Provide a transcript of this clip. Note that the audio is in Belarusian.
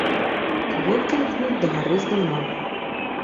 Кветкі мкнуць дагары здаўна.